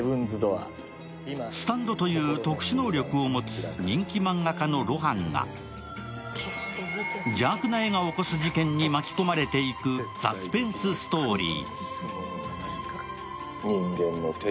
スタンドという特殊能力を持つ人気漫画家の露伴が邪悪な絵が起こす事件に巻き込まれていくサスペンスストーリー。